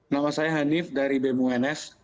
nama saya hanif dari bmuns